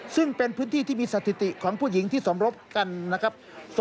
ซึ่งเป็นพื้นที่ที่มีสถิติของผู้หญิงที่สมรบกันนะครับ